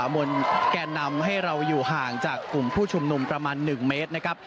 บนแก่นำให้เราอยู่ห่างจากกลุ่มผู้ชุมนุมประมาณ๑เมตรนะครับ